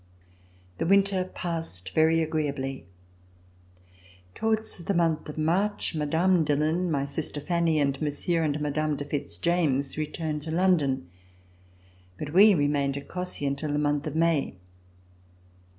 The winter passed very agreeably. Towards the month of March, Mme. Dillon, my sister Fanny, and Monsieur and Mme. de Fitz James returned to London. But we remained at Cossey until the month of May.